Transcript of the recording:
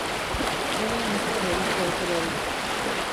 Hemen ez dago beste aukerarik.